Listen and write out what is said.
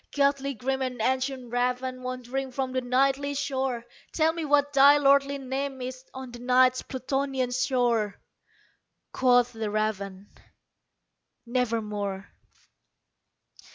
Ghastly grim and ancient raven wandering from the Nightly shore Tell me what thy lordly name is on the Night's Plutonian shore!" Quoth the raven, "Nevermore."